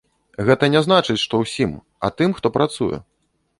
Гэта не значыць, што ўсім, а тым, хто працуе.